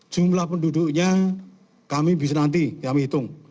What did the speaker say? jumlah penduduknya kami bisa nanti kami hitung